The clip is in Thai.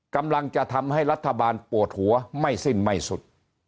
กำลังจะทำให้รัฐบาลปวดหัวไม่สิ้นไม่สุด